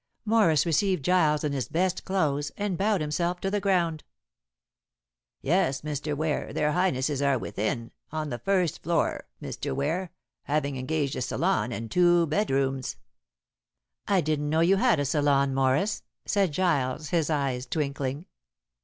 Morris received Giles in his best clothes, and bowed himself to the ground. "Yes, Mr. Ware, their Highnesses are within on the first floor, Mr. Ware, having engaged a salon and two bedrooms." "I didn't know you had a salon, Morris!" said Giles, his eyes twinkling.